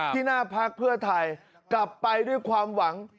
หน้าพักเพื่อไทยกลับไปด้วยความหวัง